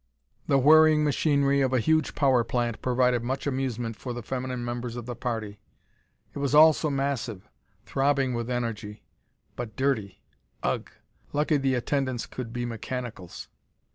The whirring machinery of a huge power plant provided much amusement for the feminine members of the party. It was all so massive; throbbing with energy. But dirty! Ugh! Lucky the attendants could be mechanicals.